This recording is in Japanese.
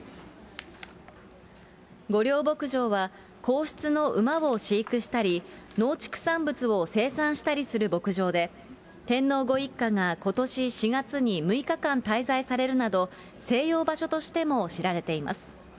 御料牧場は、皇室の馬を飼育したり、農畜産物を生産したりする牧場で、天皇ご一家がことし４月に６日間滞在されるなど、静養場所としても知られています。